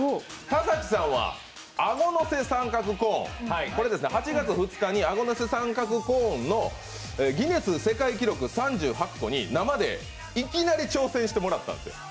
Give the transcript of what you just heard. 田崎さんはアゴのせ三角コーン、これ、８月２日にアゴのせ三角コーンでギネス世界記録３８個に、生でいきなり挑戦してもらったんです。